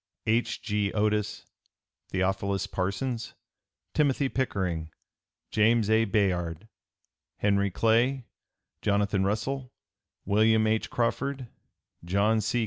H. G. Otis, Theophilus Parsons, Timothy Pickering, James A. Bayard, Henry Clay, Jonathan Russell, William H. Crawford, John C.